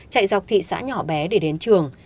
chạy dọc thị xã nhỏ bé để đến trường